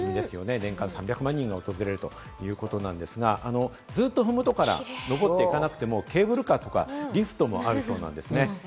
年間３００万人が訪れるということですが、ずっと麓から登って行かなくてもケーブルカーとかリフトもあるそうなんですね。